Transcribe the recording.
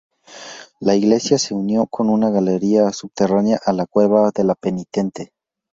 La iglesia se unió con una galería subterránea a la cueva de la penitente.